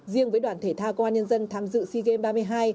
riêng với đoàn thể thao công an nhân dân tham dự sea games ba mươi hai